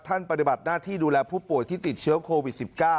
ปฏิบัติหน้าที่ดูแลผู้ป่วยที่ติดเชื้อโควิด๑๙